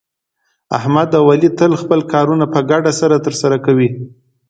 احمد او علي تل خپل کارونه په ګډه سره ترسه کوي.